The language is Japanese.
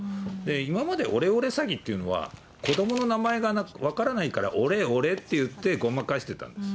今までオレオレ詐欺っていうのは、子どもの名前が分からないから、俺俺って言って、ごまかしてたんです。